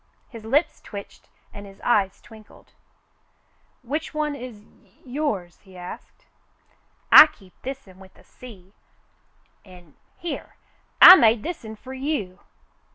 His lips twitched and his eyes twinkled. "Which one is y — yours .'^" he asked. "I keep this'n with the sea — an' — here, I made this'n fer you."